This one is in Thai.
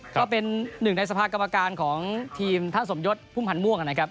ก็เป็นหนึ่งในสภากรรมการของทีมท่านสมยศพุ่มพันธ์ม่วงนะครับ